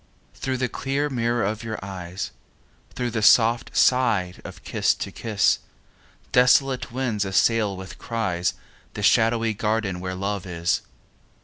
Through the clear mirror of your eyes, Through the soft sigh of kiss to kiss, Desolate winds assail with cries The shadowy garden where love is.